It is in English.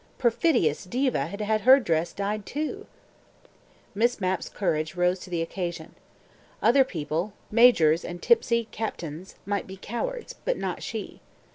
Perfidious Diva had had her dress dyed too. ... Miss Mapp's courage rose to the occasion. Other people, Majors and tipsy Captains, might be cowards, but not she.